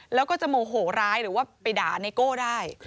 แล้วก็จะโมโหร้ายหรือว่าไปด่าไนโก้ได้